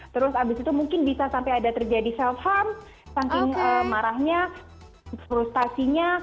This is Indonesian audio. terus abis itu mungkin bisa sampai ada terjadi self farm saking marahnya frustasinya